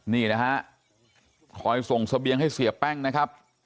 นี่นะฮะคอยส่งเสบียงให้เสียแป้งนะครับ